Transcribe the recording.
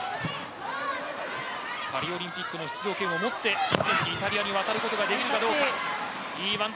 パリオリンピックの出場権を持って新天地イタリアに渡ることができるかどうか。